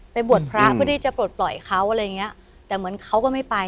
บวชพระเพื่อที่จะปลดปล่อยเขาอะไรอย่างเงี้ยแต่เหมือนเขาก็ไม่ไป